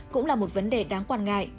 cũng là một vấn đề đáng quan ngại